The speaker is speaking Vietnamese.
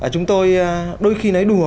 chúng tôi đôi khi nói đùa